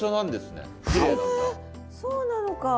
へえそうなのか。